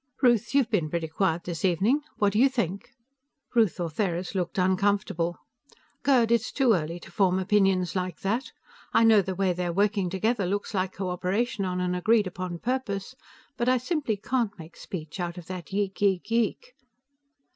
"Ruth, you've been pretty quiet this evening. What do you think?" Ruth Ortheris looked uncomfortable. "Gerd, it's too early to form opinions like that. I know the way they're working together looks like cooperation on an agreed upon purpose, but I simply can't make speech out of that yeek yeek yeek."